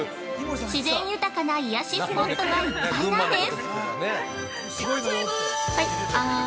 自然豊かな、癒やしスポットがいっぱいなんです。